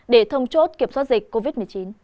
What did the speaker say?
để thông chốt kiểm soát dịch covid một mươi chín